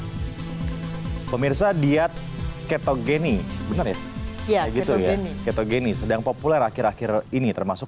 hai pemirsa diet ketogeni bener ya ya gitu ketogeni sedang populer akhir akhir ini termasuk